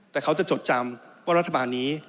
แต่เขาจะจดจำว่ารัฐบาลนี้